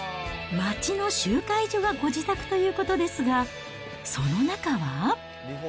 町の集会所がご自宅ということですが、その中は？